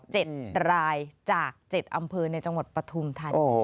เจ็ดรายจากเจ็ดอำเภอในจังหวัดปฐุมธรรมิย์